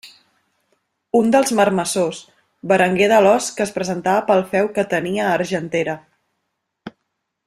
Un dels marmessors, Berenguer d'Alòs que es presentava pel feu que tenia a Argentera.